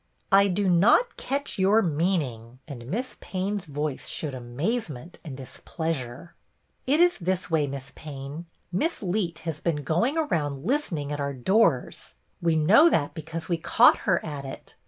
" I do not catch your meaning;" and Miss Payne's voice showed amazement and dis pleasure. " It is this way. Miss Payne. Miss Leet has been going around listening at our doors. We know that because we caught her at it.